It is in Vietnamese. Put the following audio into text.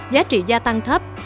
giá trị gia tăng thấp